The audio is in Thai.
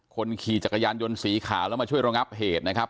คนขี่จักรยานยนต์สีขาวแล้วมาช่วยระงับเหตุนะครับ